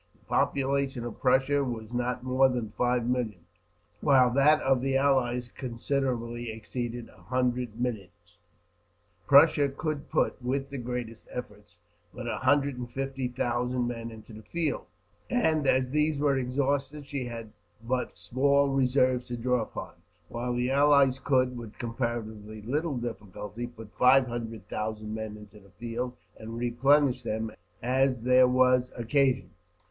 The population of Prussia was not more than five millions, while that of the Allies considerably exceeded a hundred millions. Prussia could put, with the greatest efforts, but a hundred and fifty thousand men into the field, and as these were exhausted she had but small reserves to draw upon; while the Allies could, with comparatively little difficulty, put five hundred thousand men into the field, and replenish them as there was occasion.